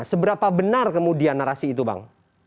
seberapa benar kemudian narasi itu bang